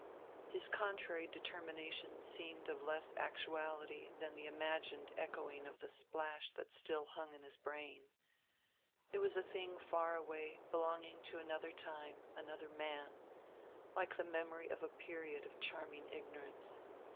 His contrary determination seemed of less actuality than the imagined echoing of the splash that still hung in his brain. It was a thing far away, belonging to another time, another man; like the memory of a period of charming ignorance.